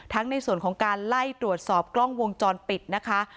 ในส่วนของการไล่ตรวจสอบกล้องวงจรปิดนะคะ